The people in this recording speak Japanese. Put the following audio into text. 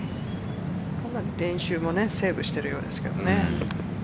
練習もセーブしているようですけどね。